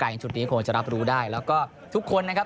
จุดนี้คงจะรับรู้ได้แล้วก็ทุกคนนะครับ